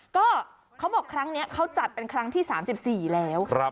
ก็เขาบอกครั้งนี้เขาจัดเป็นครั้งที่๓๔แล้ว